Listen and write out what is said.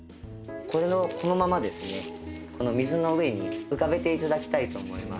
このままですね水の上に浮かべて頂きたいと思います。